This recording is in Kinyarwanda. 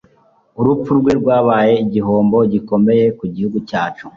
Urupfu rwe rwabaye igihombo gikomeye ku gihugu cyacu.